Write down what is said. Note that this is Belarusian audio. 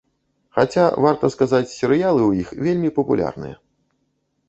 Хаця, варта сказаць, серыялы ў іх вельмі папулярныя.